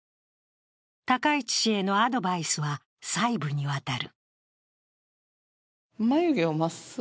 高市氏へのアドバイスは細部にわたる。